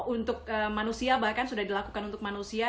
untuk manusia bahkan sudah dilakukan untuk manusia